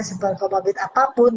semua komorbid apapun